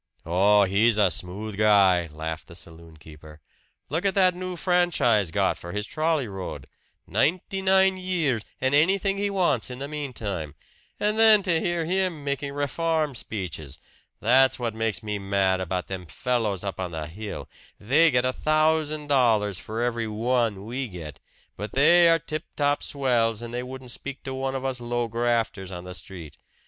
"Oh, he's a smooth guy!" laughed the saloon keeper. "Look at that new franchise got for his trolley road ninety nine years, and anything he wants in the meantime! And then to hear him making reform speeches! That's what makes me mad about them fellows up on the hill. They get a thousand dollars for every one we get; but they are tip top swells, and they wouldn't speak to one of us low grafters on the street.